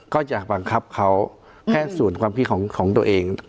ก็จะบังคับเขาแค่ส่วนความคิดของตัวเอง